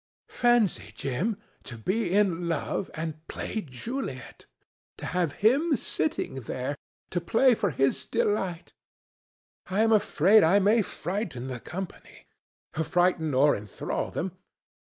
Fancy, Jim, to be in love and play Juliet! To have him sitting there! To play for his delight! I am afraid I may frighten the company, frighten or enthrall them.